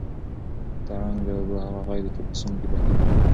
ترنګ د اوبو هغه غږ دی چې په سیند کې بهېږي.